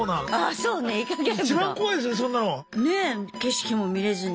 ねえ景色も見れずに。